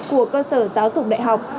của cơ sở giáo dục đại học